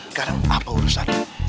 sekarang apa urusan